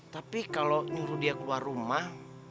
tapi kalau nyuruh dia keluar rumah